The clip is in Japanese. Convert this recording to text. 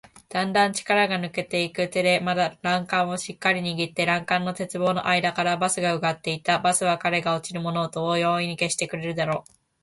だんだん力が抜けていく手でまだ欄干をしっかりにぎって、欄干の鉄棒のあいだからバスをうかがっていた。バスは彼が落ちる物音を容易に消してくれるだろう。